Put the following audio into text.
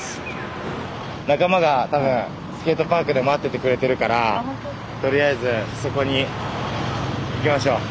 仲間が多分スケートパークで待っててくれてるからとりあえずそこに行きましょう。